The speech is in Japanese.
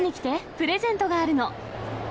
プレゼントがあるの。